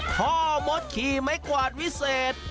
พ่อมดขี่ไม้กวาดวิเศษ